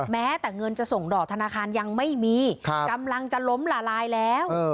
แม้แต่เงินจะส่งดอกธนาคารยังไม่มีกำลังจะล้มละลายแล้ว